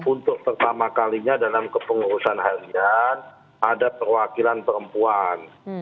untuk pertama kalinya dalam kepengurusan harian ada perwakilan perempuan